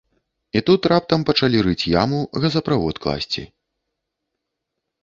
І тут раптам пачалі рыць яму, газаправод класці.